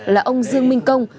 là ông dương minh công